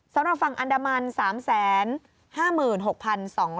สำหรับฝั่งอันดามัน๓๕๖๒๗๓ตันค่ะ